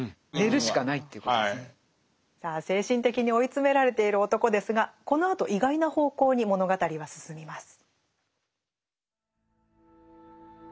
さあ精神的に追い詰められている男ですがこのあと意外な方向に物語は進みます。